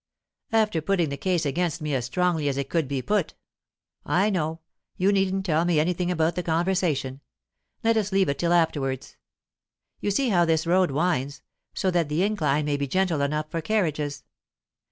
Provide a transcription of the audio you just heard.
"After putting the case against me as strongly as it could be put. I know; you needn't tell me anything about the conversation. Let us leave it till afterwards. You see how this road winds, so that the incline may be gentle enough for carriages.